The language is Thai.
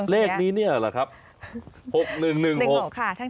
เลขนี้นี่หรือครับ๖๑๑๖